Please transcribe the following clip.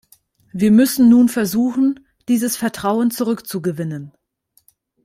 Wir müssen nun versuchen, dieses Vertrauen zurückzugewinnen.